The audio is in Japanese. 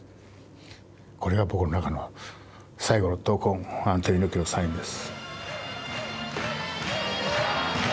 これがぼくの中の最後の闘魂アントニオ猪木のサインです。